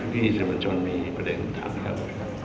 ที่เฉพาะชนมีประเด็นคำถามครับ